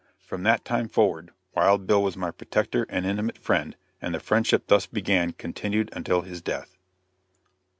From that time forward Wild Bill was my protector and intimate friend, and the friendship thus begun continued until his death.